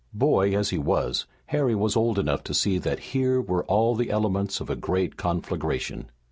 Boy as he was, Harry was old enough to see that here were all the elements of a great conflagration.